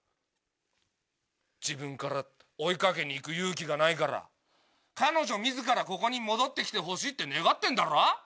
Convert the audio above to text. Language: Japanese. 自分から追い掛けに行く勇気がないから彼女自らここに戻って来てほしいって願ってんだろ？